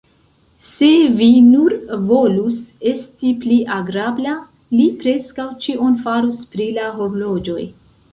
Se vi nur volus esti pli agrabla, li preskaŭ ĉion farus pri la horloĝoj.